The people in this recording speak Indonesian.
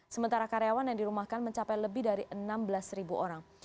sementara karyawan yang dirumahkan mencapai lebih dari enam belas orang